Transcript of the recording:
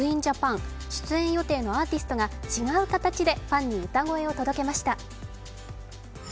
出演予定のアーティストが違う形でファンに歌声を届けました。